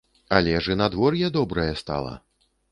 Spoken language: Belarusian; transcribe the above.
Але ж і надвор'е добрае стала!